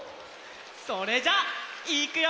それじゃあいくよ！